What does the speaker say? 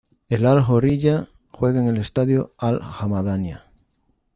El Al-Horriya juega en el Estadio Al-Hamadaniah.